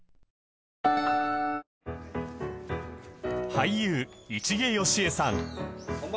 俳優市毛良枝さん